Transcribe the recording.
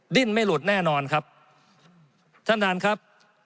ดิ้นไม่หลุดแน่นอนครับท่านท่านครับ